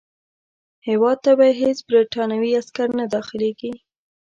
هیواد ته به یې هیڅ برټانوي عسکر نه داخلیږي.